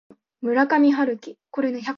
村上春樹